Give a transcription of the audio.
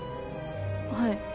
はい。